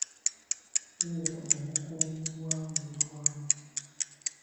Beera omukuumi wa muliraanwawo.